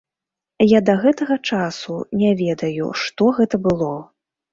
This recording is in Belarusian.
Я да гэтага часу не ведаю, што гэта было.